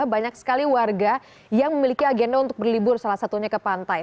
banyak sekali warga yang memiliki agenda untuk berlibur salah satunya ke pantai